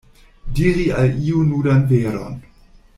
Diri al iu nudan veron.